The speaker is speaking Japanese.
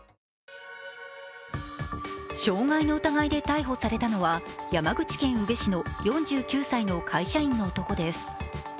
傷害の疑いで逮捕されたのは山口県宇部市の４９歳の会社員の男です。